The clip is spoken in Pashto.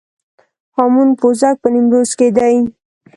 هامون پوزک په نیمروز کې دی